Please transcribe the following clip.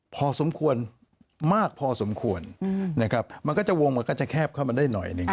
พอสมควรมากพอสมควรนะครับมันก็จะวงมันก็จะแคบเข้ามาได้หน่อยหนึ่ง